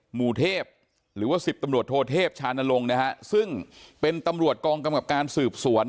หมู่เทพหรือว่าสิบตำรวจโทเทพชานลงนะฮะซึ่งเป็นตำรวจกองกำกับการสืบสวน